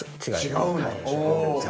◆違うんだ。